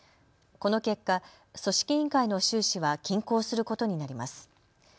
この結果、組織委員会の収支は均衡することになります。